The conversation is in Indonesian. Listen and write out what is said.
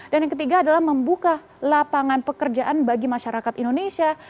dan yang ketiga adalah membuka lapangan pekerjaan bagi masyarakat indonesia